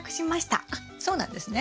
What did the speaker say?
あっそうなんですね。